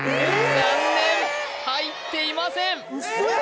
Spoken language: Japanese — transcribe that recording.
残念入っていませんウソやん！